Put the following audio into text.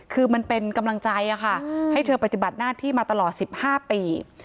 คือมันเป็นกำลังใจค่ะให้เธอปฏิบัติหน้าที่มาตลอด๑๕ปี